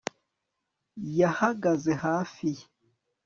yahagaze hafi ye